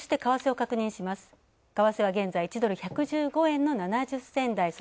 為替は現在１ドル＝１１５円の７０銭台。